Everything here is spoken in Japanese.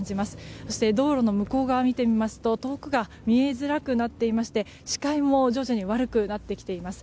そして道路の向こう側を見てみると遠くが見えづらくなっていまして視界も徐々に悪くなっています。